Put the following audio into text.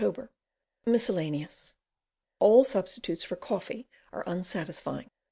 MISCELLANEOUS All substitutes for coffee are unsatisfying.